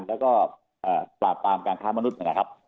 แล้วก็ปราบปรามการค้ามนุษย์นะครับ